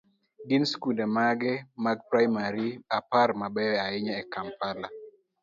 gin skunde mage mag praimari apar mabeyo ahinya e Kampala?